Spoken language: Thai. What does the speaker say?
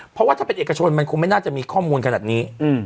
เพราะว่าถ้าเป็นเอกชนมันคงไม่น่าจะมีข้อมูลขนาดนี้